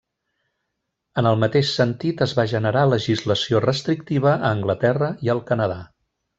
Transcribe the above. En el mateix sentit es va generar legislació restrictiva a Anglaterra i al Canadà.